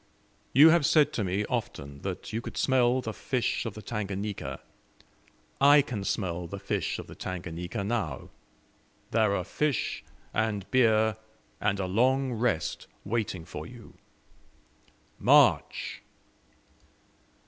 You have said to me often that you could smell the fish of the Tanganika I can smell the fish of the Tanganika now. There are fish, and beer, and a long rest waiting for you. MARCH!"